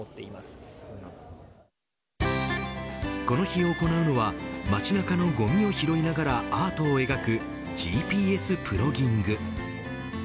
この日行うのは街中のごみを拾いながらアートを描くＧＰＳプロギング。